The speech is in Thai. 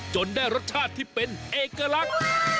ได้รสชาติที่เป็นเอกลักษณ์